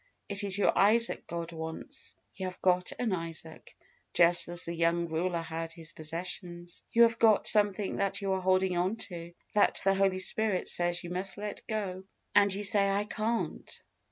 It is your Isaac God wants. You have got an Isaac, just as the young ruler had his possessions. You have got something that you are holding on to, that the Holy Spirit says you must let go, and you say, "I can't."